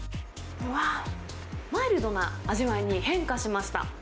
マイルドな味わいに変化しました。